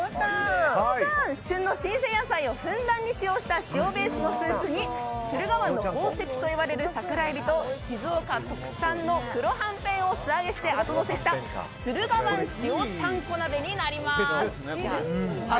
旬の新鮮野菜をふんだんに使用した塩ベースのスープに駿河湾の宝石といわれる桜エビと静岡特産の黒はんぺんを素揚げしてあとのせした駿河湾塩ちゃんこ鍋になります。